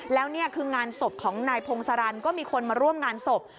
แล้วนี่คืองานศพของนายพงศรันก็มีคนมาร่วมงานศพ